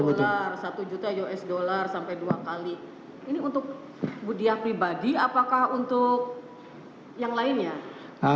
satu juta us dollar sampai dua kali ini untuk ibu dia pribadi apakah untuk yang lainnya